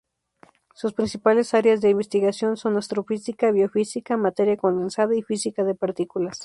Sus principales áreas de investigación son astrofísica, biofísica, materia condensada y física de partículas.